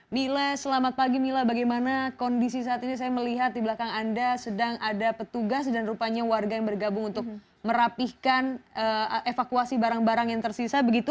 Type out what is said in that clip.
mila selamat pagi mila bagaimana kondisi saat ini saya melihat di belakang anda sedang ada petugas dan rupanya warga yang bergabung untuk merapihkan evakuasi barang barang yang tersisa begitu